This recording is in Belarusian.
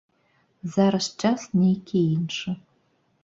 Зараз час нейкі іншы.